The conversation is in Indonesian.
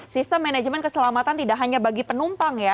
sistem manajemen keselamatan tidak hanya bagi penumpang ya